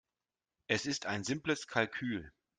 Es ist ein simples Kalkül.